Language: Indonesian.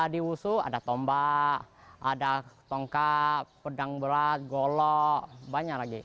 di wusu ada tombak ada tongkat pedang berat golok banyak lagi